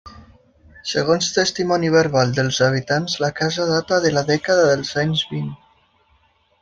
Segons testimoni verbal dels habitants, la casa data de la dècada dels anys vint.